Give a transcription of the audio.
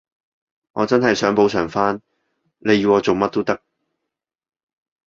我真係想補償返，你要我做乜都得